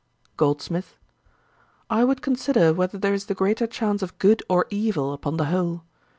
GOLDSMITH. 'I would consider whether there is the greater chance of good or evil upon the whole.